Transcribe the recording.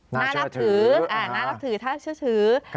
น่านับถือน่านับถือถ้าเชื่อถือ